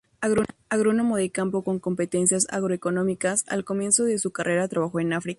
Agrónomo de campo con competencias agro-económicas, al comienzo de su carrera trabajó en África.